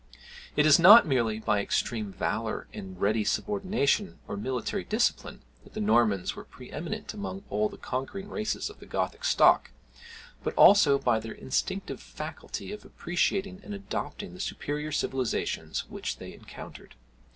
It was not merely by extreme valour and ready subordination or military discipline, that the Normans were pre eminent among all the conquering races of the Gothic stock, but also by their instinctive faculty of appreciating and adopting the superior civilizations which they encountered.